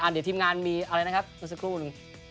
เดี๋ยวทีมงานมีอะไรนะครับเมื่อสักครู่หนึ่ง